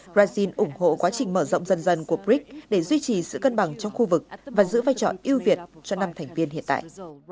brazil ủng hộ quá trình mở rộng dần dần của brics để duy trì sự cân bằng trong khu vực và giữ vai trò ưu việt cho năm thành viên hiện tại